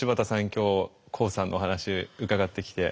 今日ＫＯＯさんのお話伺ってきて。